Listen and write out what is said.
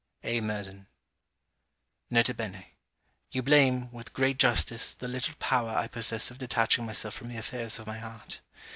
A. MURDEN N.B. You blame, with great justice, the little power I possess of detaching myself from the affairs of my heart.